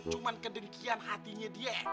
cuma kedengkian hatinya dia